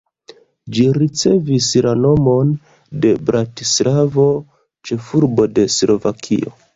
Ĝi ricevis la nomon de Bratislavo, ĉefurbo de Slovakio.